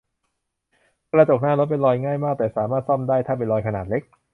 กระจกหน้ารถเป็นรอยง่ายมาก แต่สามารถซ่อมได้ ถ้าเป็นรอยขนาดเล็ก